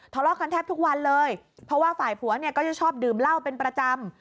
ทะเลาะกันแทบทุกวันเลยเพราะว่าฝ่ายผัวเนี่ยก็จะชอบดื่มเหล้าเป็นประจำ